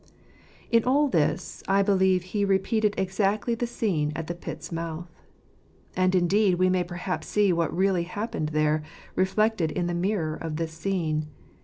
In all this, I believe he repeated exactly the scene at the pit's mouth ; and indeed w'e may perhaps see what really happened there, reflected in the mirror of this scene.